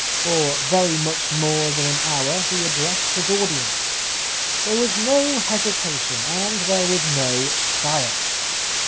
For very much more than an hour he addressed his audience. There was no hesitation, and there was no fire.